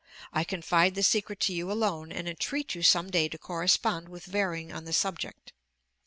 I confide the secret to you alone, and entreat you some day to correspond with Vering on the subject.